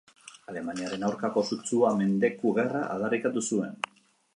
Alemaniaren aurkako sutsua, mendeku-gerra aldarrikatu zuen.